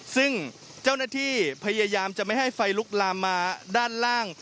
ซึ่งเจ้าหน้าที่พยายามจะไม่ให้ไฟลุกลามมาด้านล่าง